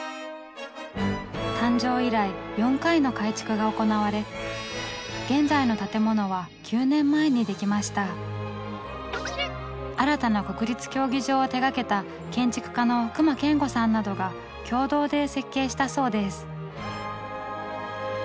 誕生以来４回の改築が行われ新たな国立競技場を手がけた建築家の隈研吾さんなどが共同で設計したそうです。